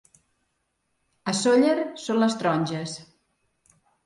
A Sóller són les taronges.